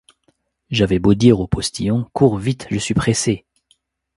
J'avais beau dire au postillon : "Cours vite, je suis pressée. "